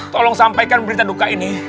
tolong sampaikan berita duka ini